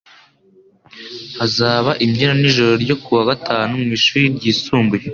Hazaba imbyino nijoro ryo kuwa gatanu mwishuri ryisumbuye